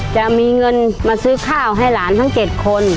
จะมีเงินมาซื้อข้าวให้หลานทั้ง๗คน